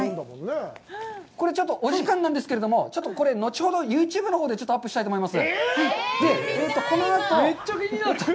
これちょっとお時間なんですけれども、ちょっとこれ後ほど、ユーチューブのほうでアップしたいと思います。